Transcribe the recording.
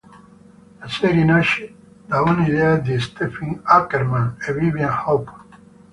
La serie nasce da un'idea di Steffi Ackermann e Vivien Hoppe.